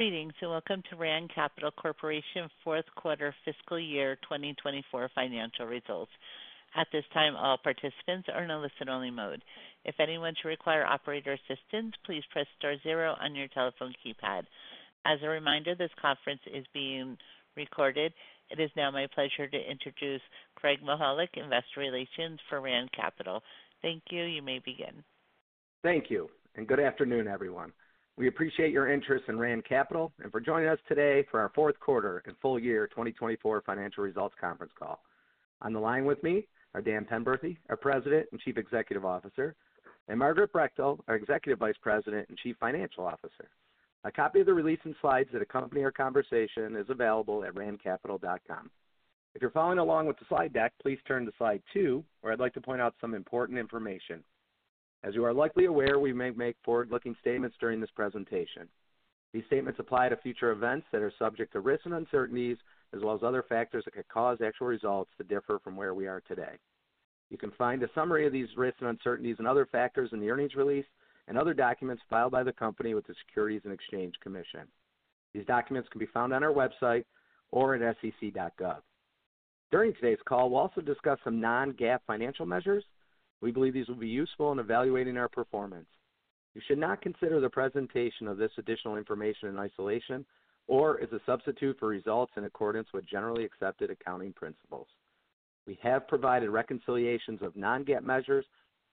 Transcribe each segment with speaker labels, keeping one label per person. Speaker 1: Greetings. You're welcome to Rand Capital Corporation fourth quarter fiscal year 2024 financial results. At this time, all participants are in a listen-only mode. If anyone should require operator assistance, please press star zero on your telephone keypad. As a reminder, this conference is being recorded. It is now my pleasure to introduce Craig Mychajluk, Investor Relations for Rand Capital. Thank you. You may begin.
Speaker 2: Thank you, and good afternoon, everyone. We appreciate your interest in Rand Capital and for joining us today for our fourth quarter and full year 2024 financial results conference call. On the line with me are Dan Penberthy, our President and Chief Executive Officer, and Margaret Brechtel, our Executive Vice President and Chief Financial Officer. A copy of the release and slides that accompany our conversation is available at randcapital.com. If you're following along with the slide deck, please turn to slide two, where I'd like to point out some important information. As you are likely aware, we may make forward-looking statements during this presentation. These statements apply to future events that are subject to risks and uncertainties, as well as other factors that could cause actual results to differ from where we are today. You can find a summary of these risks and uncertainties and other factors in the earnings release and other documents filed by the company with the Securities and Exchange Commission. These documents can be found on our website or at sec.gov. During today's call, we'll also discuss some non-GAAP financial measures. We believe these will be useful in evaluating our performance. You should not consider the presentation of this additional information in isolation or as a substitute for results in accordance with generally accepted accounting principles. We have provided reconciliations of non-GAAP measures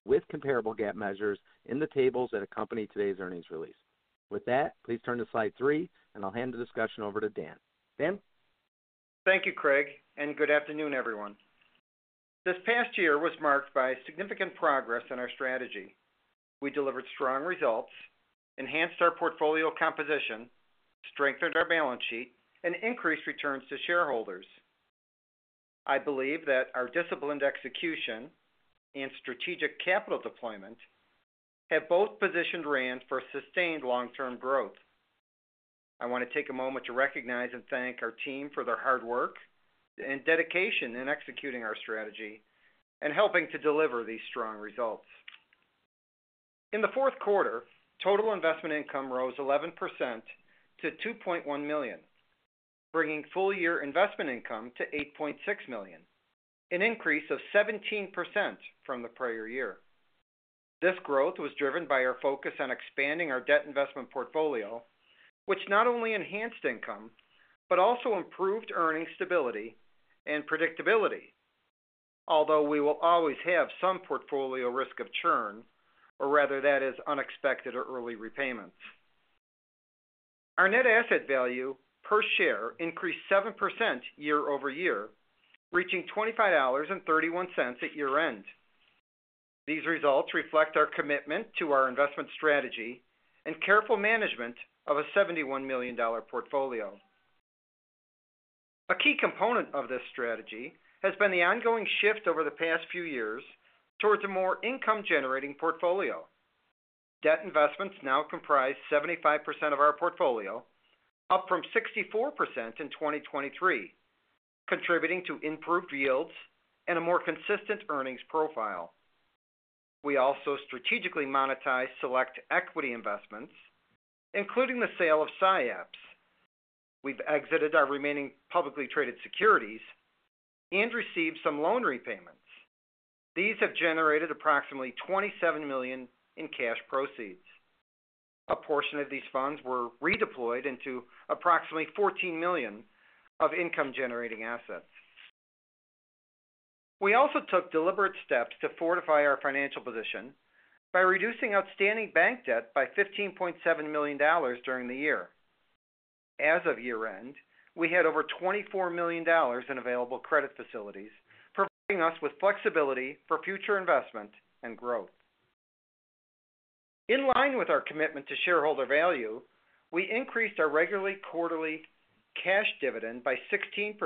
Speaker 2: with comparable GAAP measures in the tables that accompany today's earnings release. With that, please turn to slide three, and I'll hand the discussion over to Dan. Dan?
Speaker 3: Thank you, Craig, and good afternoon, everyone. This past year was marked by significant progress in our strategy. We delivered strong results, enhanced our portfolio composition, strengthened our balance sheet, and increased returns to shareholders. I believe that our disciplined execution and strategic capital deployment have both positioned Rand for sustained long-term growth. I want to take a moment to recognize and thank our team for their hard work and dedication in executing our strategy and helping to deliver these strong results. In the fourth quarter, total investment income rose 11% to 2.1 million, bringing full year investment income to 8.6 million, an increase of 17% from the prior year. This growth was driven by our focus on expanding our debt investment portfolio, which not only enhanced income but also improved earnings stability and predictability, although we will always have some portfolio risk of churn, or rather that is unexpected or early repayments. Our net asset value per share increased 7% year over year, reaching 25.31 dollars at year-end. These results reflect our commitment to our investment strategy and careful management of a 71 million dollar portfolio. A key component of this strategy has been the ongoing shift over the past few years towards a more income-generating portfolio. Debt investments now comprise 75% of our portfolio, up from 64% in 2023, contributing to improved yields and a more consistent earnings profile. We also strategically monetize select equity investments, including the sale of SIAPs. We've exited our remaining publicly traded securities and received some loan repayments. These have generated approximately 27 million in cash proceeds. A portion of these funds were redeployed into approximately 14 million of income-generating assets. We also took deliberate steps to fortify our financial position by reducing outstanding bank debt by 15.7 million dollars during the year. As of year-end, we had over 24 million dollars in available credit facilities, providing us with flexibility for future investment and growth. In line with our commitment to shareholder value, we increased our regular quarterly cash dividend by 16%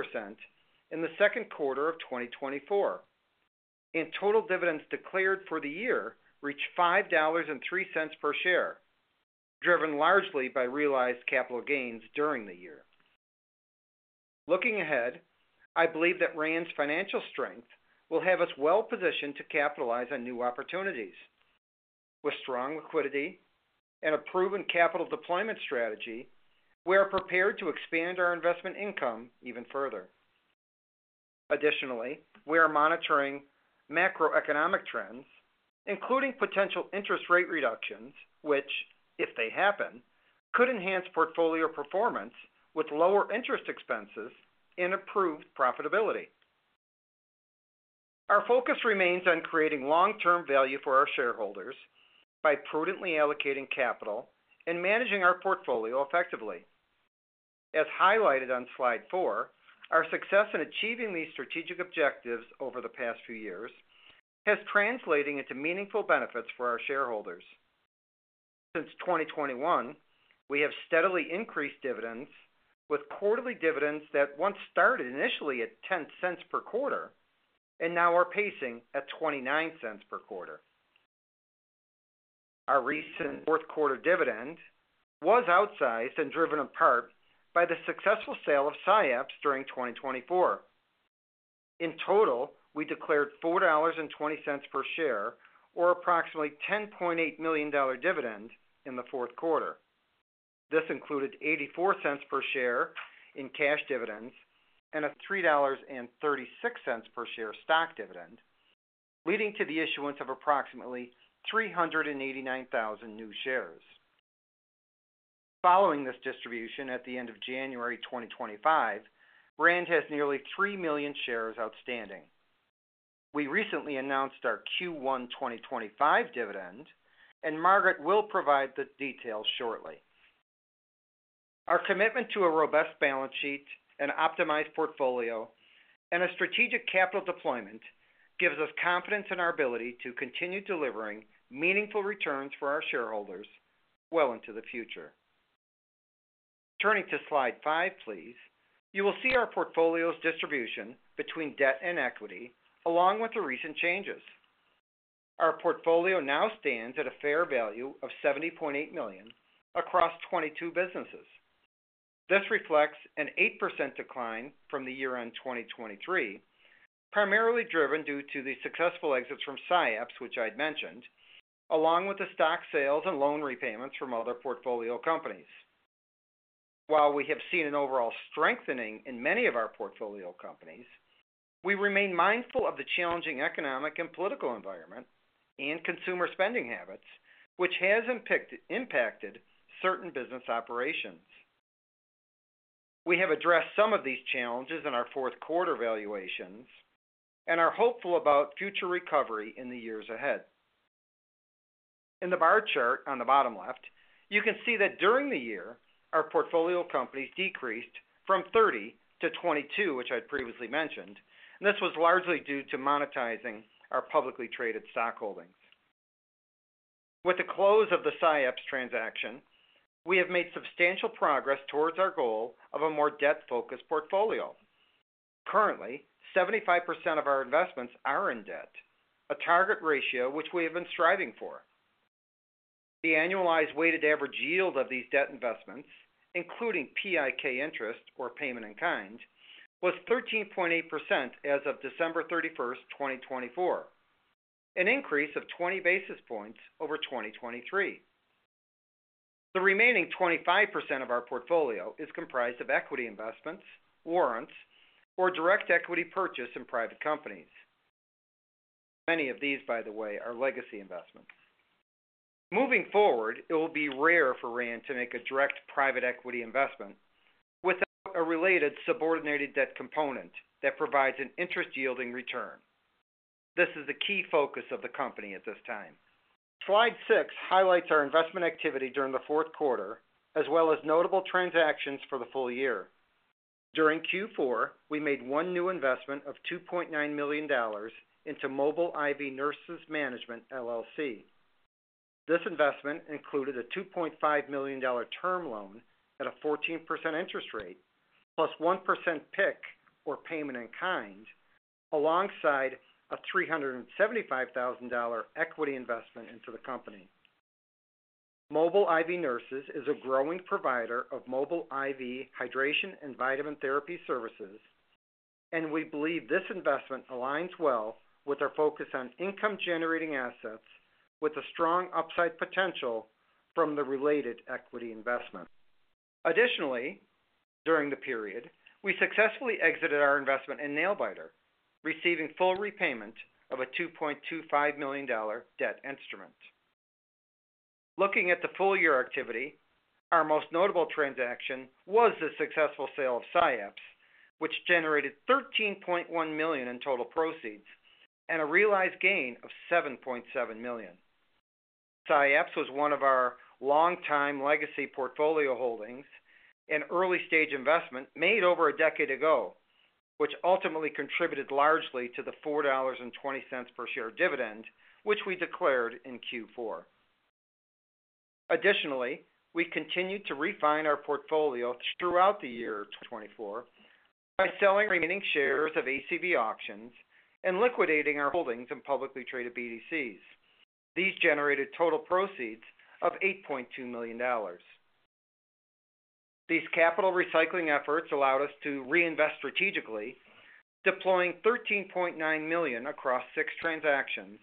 Speaker 3: in the second quarter of 2024. In total, dividends declared for the year reached 5.03 per share, driven largely by realized capital gains during the year. Looking ahead, I believe that Rand's financial strength will have us well positioned to capitalize on new opportunities. With strong liquidity and a proven capital deployment strategy, we are prepared to expand our investment income even further. Additionally, we are monitoring macroeconomic trends, including potential interest rate reductions, which, if they happen, could enhance portfolio performance with lower interest expenses and improved profitability. Our focus remains on creating long-term value for our shareholders by prudently allocating capital and managing our portfolio effectively. As highlighted on slide four, our success in achieving these strategic objectives over the past few years has translated into meaningful benefits for our shareholders. Since 2021, we have steadily increased dividends, with quarterly dividends that once started initially at 0.10 per quarter and now are pacing at 0.29 per quarter. Our recent fourth quarter dividend was outsized and driven in part by the successful sale of SciAps during 2024. In total, we declared 4.20 dollars per share, or approximately 10.8 million dollar dividend in the fourth quarter. This included 0.84 per share in cash dividends and a 3.36 dollars per share stock dividend, leading to the issuance of approximately 389,000 new shares. Following this distribution at the end of January 2025, Rand has nearly 3 million shares outstanding. We recently announced our Q1 2025 dividend, and Margaret will provide the details shortly. Our commitment to a robust balance sheet, an optimized portfolio, and a strategic capital deployment gives us confidence in our ability to continue delivering meaningful returns for our shareholders well into the future. Turning to slide five, please, you will see our portfolio's distribution between debt and equity, along with the recent changes. Our portfolio now stands at a fair value of 70.8 million across 22 businesses. This reflects an 8% decline from the year-end 2023, primarily driven due to the successful exits from SciAps, which I'd mentioned, along with the stock sales and loan repayments from other portfolio companies. While we have seen an overall strengthening in many of our portfolio companies, we remain mindful of the challenging economic and political environment and consumer spending habits, which have impacted certain business operations. We have addressed some of these challenges in our fourth quarter valuations and are hopeful about future recovery in the years ahead. In the bar chart on the bottom left, you can see that during the year, our portfolio companies decreased from 30 to 22, which I'd previously mentioned, and this was largely due to monetizing our publicly traded stock holdings. With the close of the SciAps transaction, we have made substantial progress towards our goal of a more debt-focused portfolio. Currently, 75% of our investments are in debt, a target ratio which we have been striving for. The annualized weighted average yield of these debt investments, including PIK interest or payment in kind, was 13.8% as of December 31, 2024, an increase of 20 basis points over 2023. The remaining 25% of our portfolio is comprised of equity investments, warrants, or direct equity purchase in private companies. Many of these, by the way, are legacy investments. Moving forward, it will be rare for Rand to make a direct private equity investment without a related subordinated debt component that provides an interest-yielding return. This is the key focus of the company at this time. Slide six highlights our investment activity during the fourth quarter, as well as notable transactions for the full year. During Q4, we made one new investment of 2.9 million dollars into Mobile IV Nurses Management, LLC. This investment included a 2.5 million dollar term loan at a 14% interest rate, plus 1% PIK or payment in kind, alongside a 375,000 dollar equity investment into the company. Mobile IV Nurses is a growing provider of mobile IV hydration and vitamin therapy services, and we believe this investment aligns well with our focus on income-generating assets with a strong upside potential from the related equity investment. Additionally, during the period, we successfully exited our investment in Nailbiter, receiving full repayment of a 2.25 million dollar debt instrument. Looking at the full year activity, our most notable transaction was the successful sale of SciAps, which generated 13.1 million in total proceeds and a realized gain of 7.7 million. SciAps was one of our long-time legacy portfolio holdings, an early-stage investment made over a decade ago, which ultimately contributed largely to the 4.20 dollars per share dividend, which we declared in Q4. Additionally, we continued to refine our portfolio throughout the year 2024 by selling remaining shares of ACV Auctions and liquidating our holdings in publicly traded BDCs. These generated total proceeds of 8.2 million dollars. These capital recycling efforts allowed us to reinvest strategically, deploying 13.9 million across six transactions,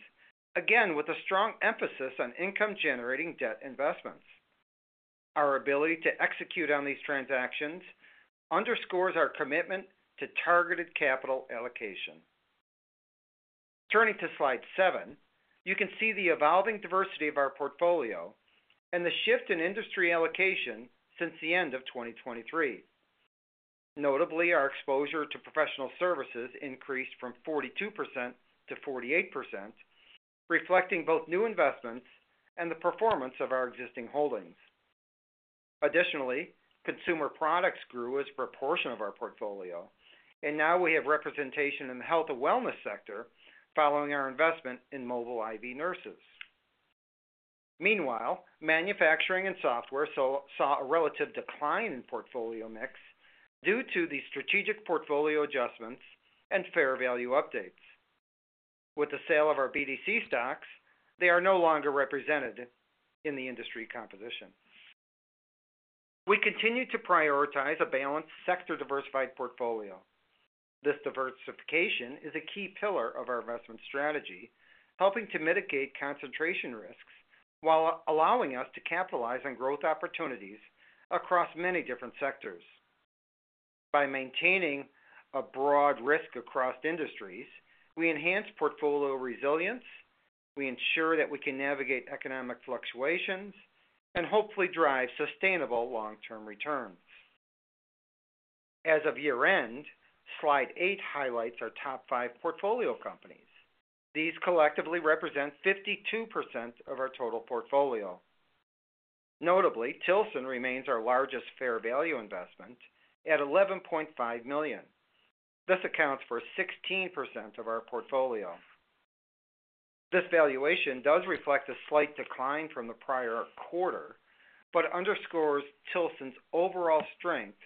Speaker 3: again with a strong emphasis on income-generating debt investments. Our ability to execute on these transactions underscores our commitment to targeted capital allocation. Turning to slide seven, you can see the evolving diversity of our portfolio and the shift in industry allocation since the end of 2023. Notably, our exposure to professional services increased from 42% to 48%, reflecting both new investments and the performance of our existing holdings. Additionally, consumer products grew as a proportion of our portfolio, and now we have representation in the health and wellness sector following our investment in Mobile IV Nurses. Meanwhile, manufacturing and software saw a relative decline in portfolio mix due to the strategic portfolio adjustments and fair value updates. With the sale of our BDC stocks, they are no longer represented in the industry composition. We continue to prioritize a balanced sector-diversified portfolio. This diversification is a key pillar of our investment strategy, helping to mitigate concentration risks while allowing us to capitalize on growth opportunities across many different sectors. By maintaining a broad risk across industries, we enhance portfolio resilience, we ensure that we can navigate economic fluctuations, and hopefully drive sustainable long-term returns. As of year-end, slide eight highlights our top five portfolio companies. These collectively represent 52% of our total portfolio. Notably, Tilson remains our largest fair value investment at 11.5 million. This accounts for 16% of our portfolio. This valuation does reflect a slight decline from the prior quarter but underscores Tilson's overall strength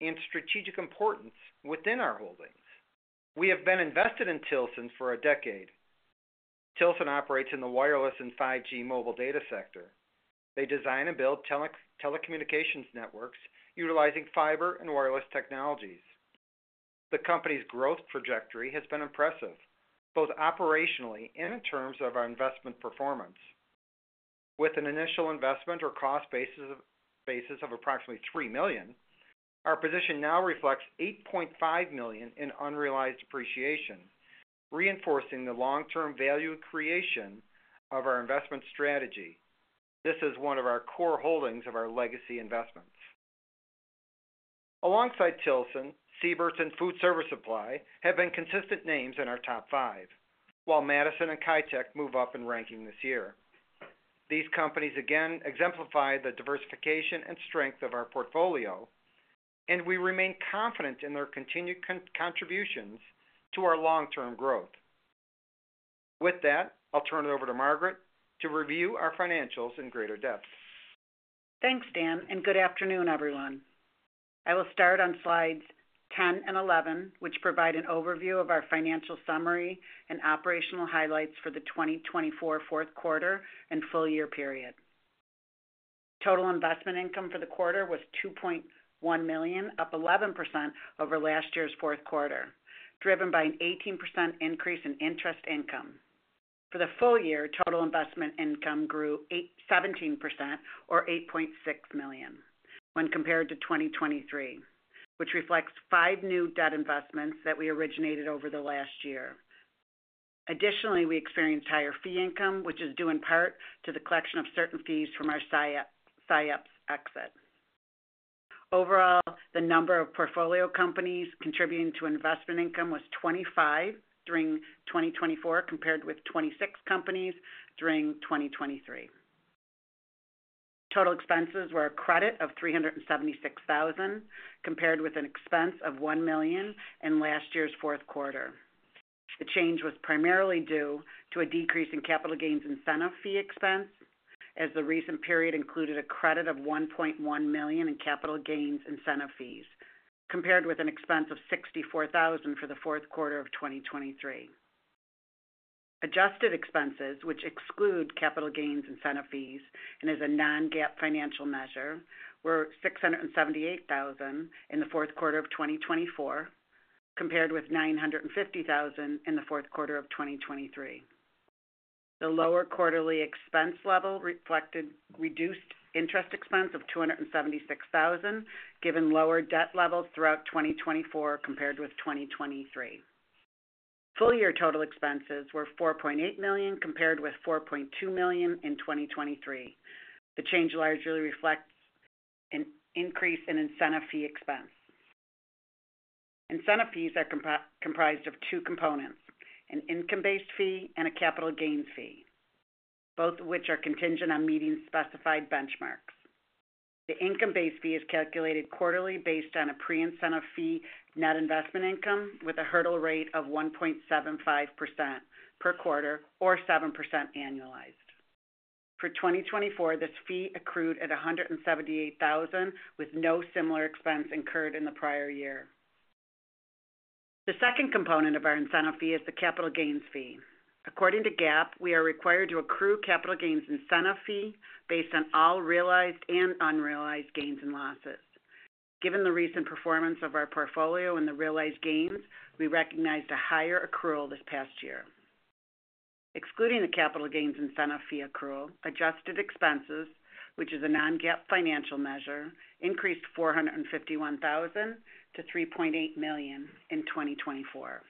Speaker 3: and strategic importance within our holdings. We have been invested in Tilson for a decade. Tilson operates in the wireless and 5G mobile data sector. They design and build telecommunications networks utilizing fiber and wireless technologies. The company's growth trajectory has been impressive, both operationally and in terms of our investment performance. With an initial investment or cost basis of approximately 3 million, our position now reflects 8.5 million in unrealized appreciation, reinforcing the long-term value creation of our investment strategy. This is one of our core holdings of our legacy investments. Alongside Tilson, Seybert's and Food Service Supply have been consistent names in our top five, while Mattison and Caitec move up in ranking this year. These companies again exemplify the diversification and strength of our portfolio, and we remain confident in their continued contributions to our long-term growth. With that, I'll turn it over to Margaret to review our financials in greater depth.
Speaker 4: Thanks, Dan, and good afternoon, everyone. I will start on slides 10 and 11, which provide an overview of our financial summary and operational highlights for the 2024 fourth quarter and full year period. Total investment income for the quarter was 2.1 million, up 11% over last year's fourth quarter, driven by an 18% increase in interest income. For the full year, total investment income grew 17%, or 8.6 million, when compared to 2023, which reflects five new debt investments that we originated over the last year. Additionally, we experienced higher fee income, which is due in part to the collection of certain fees from our SciAps exit. Overall, the number of portfolio companies contributing to investment income was 25 during 2024, compared with 26 companies during 2023. Total expenses were a credit of 376,000, compared with an expense of 1 million in last year's fourth quarter. The change was primarily due to a decrease in capital gains incentive fee expense, as the recent period included a credit of 1.1 million in capital gains incentive fees, compared with an expense of 64,000 for the fourth quarter of 2023. Adjusted expenses, which exclude capital gains incentive fees and is a non-GAAP financial measure, were 678,000 in the fourth quarter of 2024, compared with 950,000 in the fourth quarter of 2023. The lower quarterly expense level reflected reduced interest expense of 276,000, given lower debt levels throughout 2024 compared with 2023. Full year total expenses were 4.8 million, compared with 4.2 million in 2023. The change largely reflects an increase in incentive fee expense. Incentive fees are comprised of two components: an income-based fee and a capital gains fee, both of which are contingent on meeting specified benchmarks. The income-based fee is calculated quarterly based on a pre-incentive fee net investment income, with a hurdle rate of 1.75% per quarter, or 7% annualized. For 2024, this fee accrued at 178,000, with no similar expense incurred in the prior year. The second component of our incentive fee is the capital gains fee. According to GAAP, we are required to accrue capital gains incentive fee based on all realized and unrealized gains and losses. Given the recent performance of our portfolio and the realized gains, we recognized a higher accrual this past year. Excluding the capital gains incentive fee accrual, adjusted expenses, which is a non-GAAP financial measure, increased 451,000 to 3.8 million in 2024.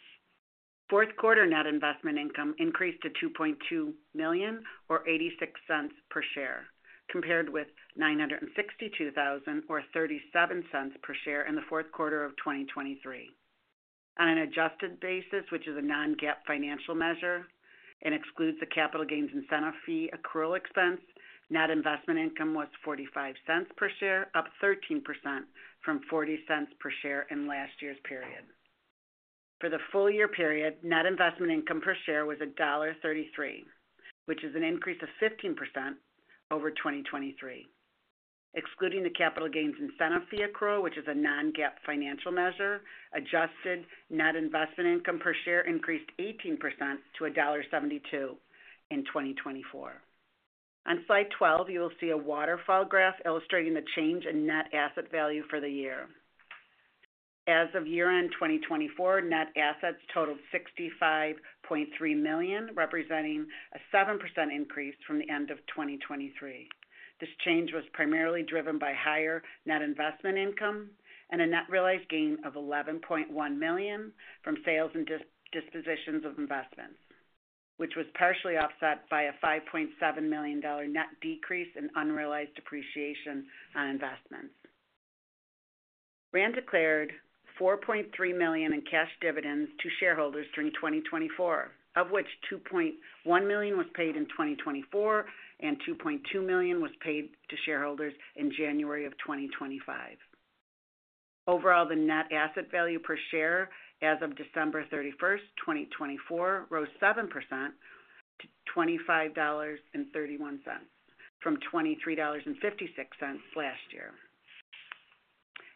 Speaker 4: Fourth quarter net investment income increased to 2.2 million, or 0.86 per share, compared with 962,000, or 0.37 per share in the fourth quarter of 2023. On an adjusted basis, which is a non-GAAP financial measure and excludes the capital gains incentive fee accrual expense, net investment income was 0.45 per share, up 13% from 0.40 per share in last year's period. For the full year period, net investment income per share was dollar 1.33, which is an increase of 15% over 2023. Excluding the capital gains incentive fee accrual, which is a non-GAAP financial measure, adjusted net investment income per share increased 18% to dollar 1.72 in 2024. On slide 12, you will see a waterfall graph illustrating the change in net asset value for the year. As of year-end 2024, net assets totaled 65.3 million, representing a 7% increase from the end of 2023. This change was primarily driven by higher net investment income and a net realized gain of 11.1 million from sales and dispositions of investments, which was partially offset by a 5.7 million dollar net decrease in unrealized depreciation on investments. Rand declared 4.3 million in cash dividends to shareholders during 2024, of which 2.1 million was paid in 2024 and 2.2 million was paid to shareholders in January of 2025. Overall, the net asset value per share as of December 31st, 2024, rose 7% to 25.31 dollars from 23.56 dollars last year.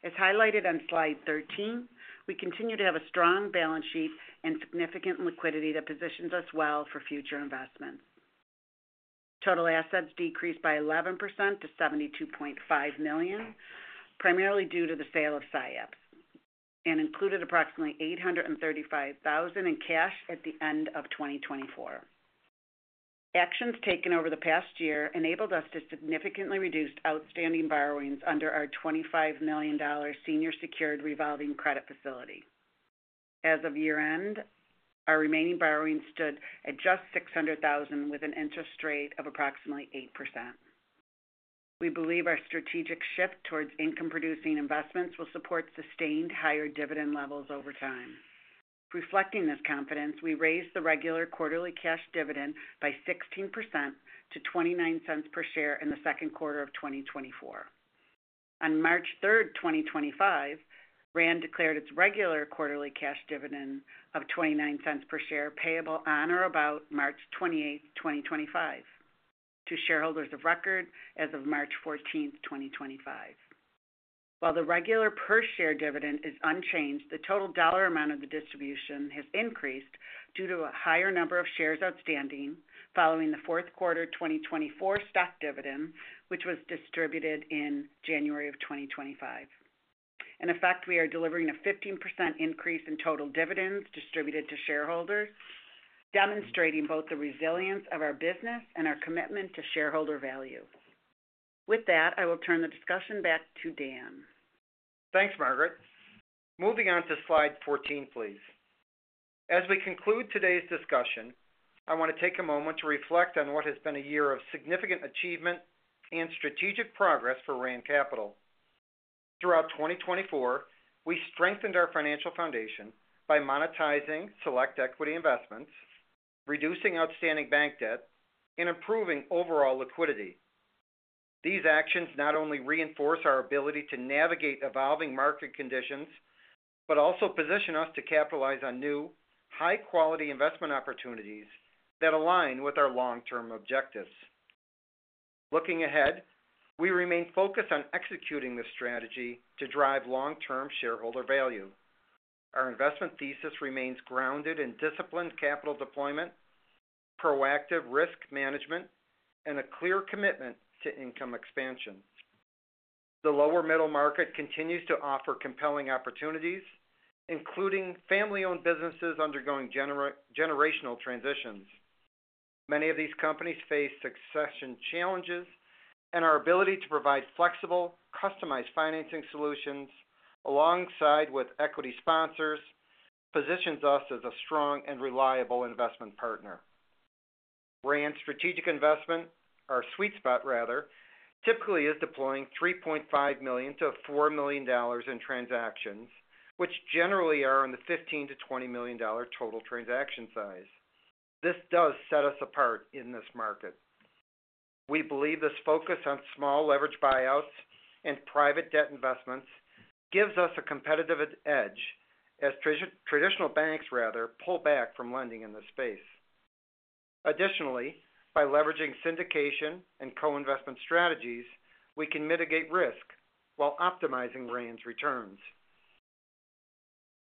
Speaker 4: As highlighted on slide 13, we continue to have a strong balance sheet and significant liquidity that positions us well for future investments. Total assets decreased by 11% to 72.5 million, primarily due to the sale of SciAps, and included approximately 835,000 in cash at the end of 2024. Actions taken over the past year enabled us to significantly reduce outstanding borrowings under our 25 million dollar senior secured revolving credit facility. As of year-end, our remaining borrowing stood at just 600,000 with an interest rate of approximately 8%. We believe our strategic shift towards income-producing investments will support sustained higher dividend levels over time. Reflecting this confidence, we raised the regular quarterly cash dividend by 16% to 0.29 per share in the second quarter of 2024. On March 3, 2025, Rand declared its regular quarterly cash dividend of 0.29 per share payable on or about March 28, 2025, to shareholders of record as of March 14th, 2025. While the regular per share dividend is unchanged, the total dollar amount of the distribution has increased due to a higher number of shares outstanding following the fourth quarter 2024 stock dividend, which was distributed in January of 2025. In effect, we are delivering a 15% increase in total dividends distributed to shareholders, demonstrating both the resilience of our business and our commitment to shareholder value. With that, I will turn the discussion back to Dan.
Speaker 3: Thanks, Margaret. Moving on to slide 14, please. As we conclude today's discussion, I want to take a moment to reflect on what has been a year of significant achievement and strategic progress for Rand Capital. Throughout 2024, we strengthened our financial foundation by monetizing select equity investments, reducing outstanding bank debt, and improving overall liquidity. These actions not only reinforce our ability to navigate evolving market conditions but also position us to capitalize on new, high-quality investment opportunities that align with our long-term objectives. Looking ahead, we remain focused on executing the strategy to drive long-term shareholder value. Our investment thesis remains grounded in disciplined capital deployment, proactive risk management, and a clear commitment to income expansion. The lower middle market continues to offer compelling opportunities, including family-owned businesses undergoing generational transitions. Many of these companies face succession challenges, and our ability to provide flexible, customized financing solutions alongside equity sponsors positions us as a strong and reliable investment partner. Rand's strategic investment, our sweet spot, rather, typically is deploying 3.5 million-4 million dollars in transactions, which generally are in the 15 million-20 million dollar total transaction size. This does set us apart in this market. We believe this focus on small leveraged buyouts and private debt investments gives us a competitive edge as traditional banks, rather, pull back from lending in this space. Additionally, by leveraging syndication and co-investment strategies, we can mitigate risk while optimizing Rand's returns.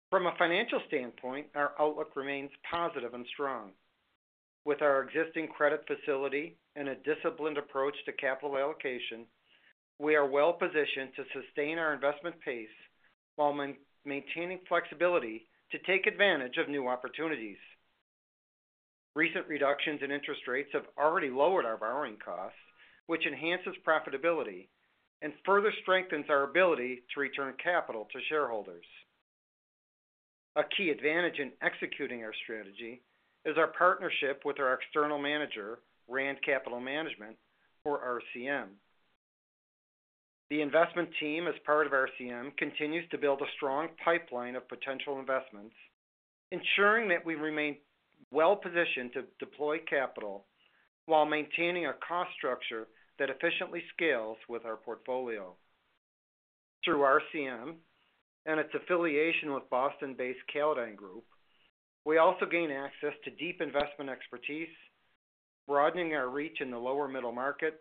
Speaker 3: From a financial standpoint, our outlook remains positive and strong. With our existing credit facility and a disciplined approach to capital allocation, we are well-positioned to sustain our investment pace while maintaining flexibility to take advantage of new opportunities. Recent reductions in interest rates have already lowered our borrowing costs, which enhances profitability and further strengthens our ability to return capital to shareholders. A key advantage in executing our strategy is our partnership with our external manager, Rand Capital Management, or RCM. The investment team as part of RCM continues to build a strong pipeline of potential investments, ensuring that we remain well-positioned to deploy capital while maintaining a cost structure that efficiently scales with our portfolio. Through RCM and its affiliation with Boston-based Callodine Group, we also gain access to deep investment expertise, broadening our reach in the lower middle market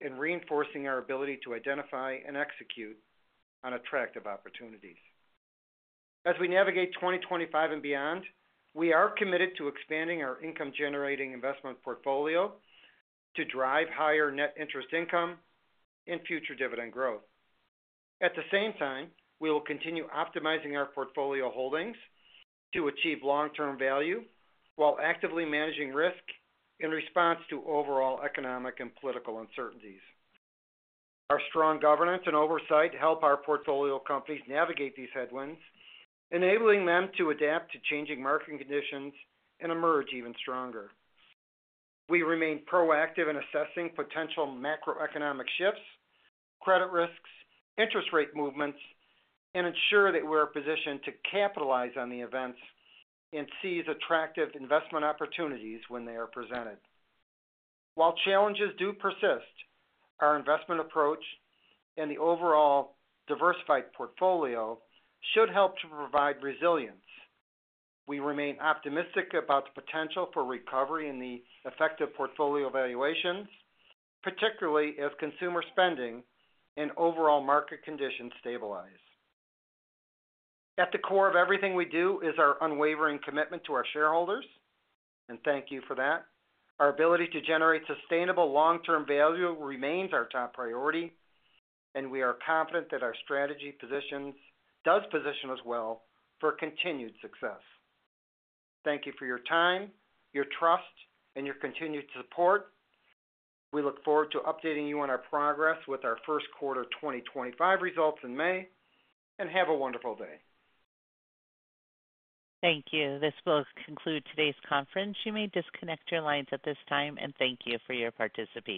Speaker 3: and reinforcing our ability to identify and execute on attractive opportunities. As we navigate 2025 and beyond, we are committed to expanding our income-generating investment portfolio to drive higher net interest income and future dividend growth. At the same time, we will continue optimizing our portfolio holdings to achieve long-term value while actively managing risk in response to overall economic and political uncertainties. Our strong governance and oversight help our portfolio companies navigate these headwinds, enabling them to adapt to changing market conditions and emerge even stronger. We remain proactive in assessing potential macroeconomic shifts, credit risks, interest rate movements, and ensure that we are positioned to capitalize on the events and seize attractive investment opportunities when they are presented. While challenges do persist, our investment approach and the overall diversified portfolio should help to provide resilience. We remain optimistic about the potential for recovery in the effective portfolio valuations, particularly as consumer spending and overall market conditions stabilize. At the core of everything we do is our unwavering commitment to our shareholders, and thank you for that. Our ability to generate sustainable long-term value remains our top priority, and we are confident that our strategy does position us well for continued success. Thank you for your time, your trust, and your continued support. We look forward to updating you on our progress with our first quarter 2025 results in May, and have a wonderful day.
Speaker 1: Thank you. This will conclude today's conference. You may disconnect your lines at this time, and thank you for your participation.